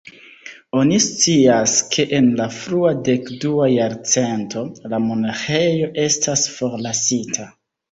Oni scias ke en la frua dek-dua jarcento la monaĥejo estas forlasita.